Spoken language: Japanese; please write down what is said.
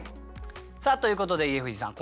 さあということで家藤さん